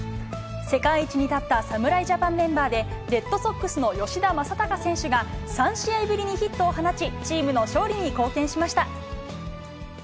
世界一に立った侍ジャパンメンバーで、レッドソックスの吉田正尚選手が、３試合ぶりにヒットを放ち、チームの勝利に貢献しました。